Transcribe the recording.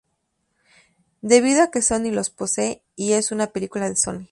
Debido a que Sony los posee, y es una película de Sony.